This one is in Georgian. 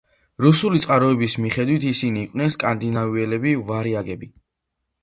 რუსული წყაროების მიხედვით ისინი იყვნენ სკანდინავიელები, ვარიაგები.